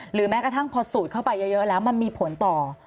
แม้กระทั่งพอสูดเข้าไปเยอะแล้วมันมีผลต่อ